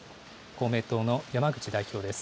公明党、山口代表です。